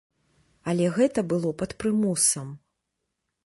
Але гэта было пад прымусам.